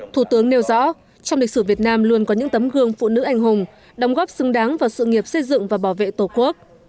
thủ tướng nêu rõ trong lịch sử việt nam luôn có những tấm gương phụ nữ anh hùng đóng góp xứng đáng vào sự nghiệp xây dựng và bảo vệ tổ quốc